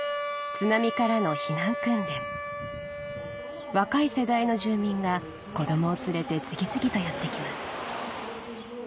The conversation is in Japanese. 津波からの避難訓練若い世代の住民が子供を連れて次々とやって来ます